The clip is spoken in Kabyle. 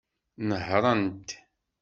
Nehṛent.